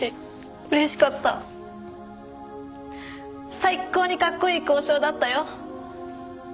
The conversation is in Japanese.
最高にかっこいい交渉だったよ！